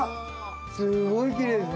すごいきれいですね。